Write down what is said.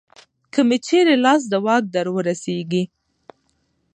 که مې چېرې لاس د واک درورسېږي